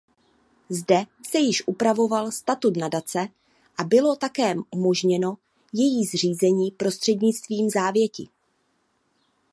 Zde se již upravoval statut nadace a bylo také umožněno její zřízení prostřednictvím závěti.